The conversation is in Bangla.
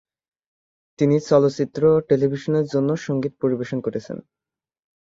তিনি চলচ্চিত্র ও টেলিভিশনের জন্যও সংগীত পরিবেশন করেছেন।